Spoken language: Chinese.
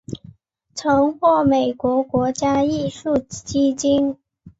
曾获美国国家艺术基金。